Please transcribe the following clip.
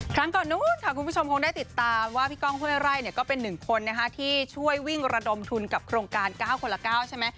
ครั้งก่อนนู้นค่ะคุณผู้ชมคงได้ติดตามว่าพี่ก้องห้วยไร่ก็เป็น๑คนที่ช่วยวิ่งระดมทุนกับโครงการ๙คนละ๙ใช่ไหม